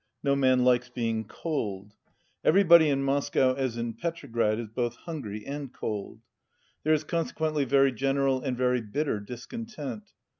No man likes being cold. Everybody in Moscow, as in Petrograd, is both hungry and cold. There is consequently very general and very bitter discontent.